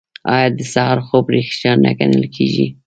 آیا د سهار خوب ریښتیا نه ګڼل کیږي؟